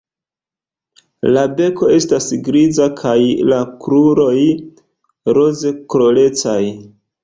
La beko estas griza kaj la kruroj rozkolorecaj.